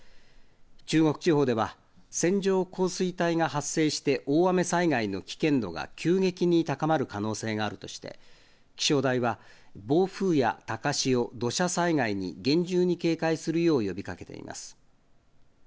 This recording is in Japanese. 中国地方では線状降水帯が発生して大雨災害の危険度が急激に高まる可能性があるとして気象台は暴風や高潮、土砂災害に厳重に警戒するよう呼びかけています。